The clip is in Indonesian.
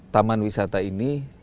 taman wisata ini